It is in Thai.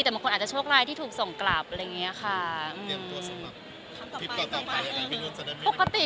แต่บางคนอาจจะโชคลายที่ถูกส่งกลับอะไรอย่างเงี้ยค่ะอืมสำหรับคลิปก่อนต่อไปอะไร